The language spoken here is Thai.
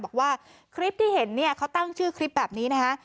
บอกว่าคลิปที่เห็นเนี่ยเขาตั้งชื่อคลิปแบบนี้นะคะ